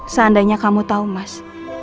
seandainya kamu tau mas